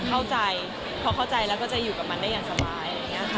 พอเข้าใจพอเข้าใจแล้วก็จะอยู่กับมันได้อย่างสะวาย